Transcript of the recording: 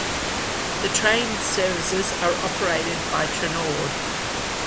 The train services are operated by Trenord.